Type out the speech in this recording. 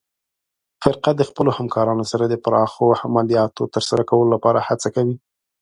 فرقه د خپلو همکارانو سره د پراخو عملیاتو ترسره کولو لپاره هڅه کوي.